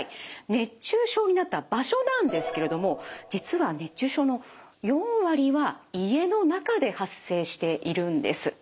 熱中症になった場所なんですけれども実は熱中症の４割は家の中で発生しているんです。